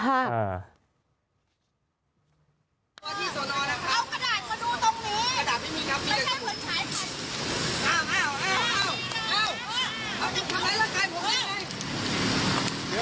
เดี๋ยวพี่โก๊